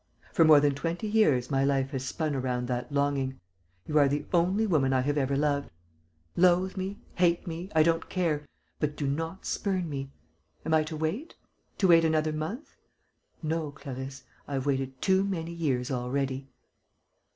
For more than twenty years my life has spun around that longing. You are the only woman I have ever loved.... Loathe me, hate me I don't care but do not spurn me.... Am I to wait? To wait another month?... No, Clarisse, I have waited too many years already...."